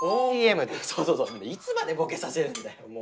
そうそういつまでボケさせるんだよ。